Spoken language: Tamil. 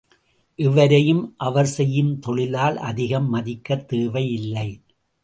எவரையும் அவர் செய்யும் தொழிலால் அதிகம் மதிக்கத் தேவை இல்லை.